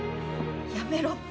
やめろって。